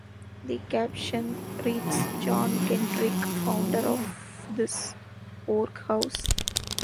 The caption reads "John Kendrick, founder of this worke house".